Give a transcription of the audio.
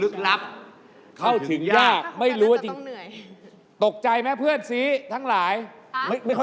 ขอบคุณคุณไทม์ครับ